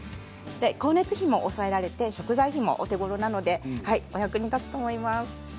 光熱費も抑えられて食材費もお手ごろなのでお役に立つと思います。